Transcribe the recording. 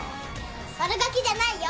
「悪がきじゃないよ」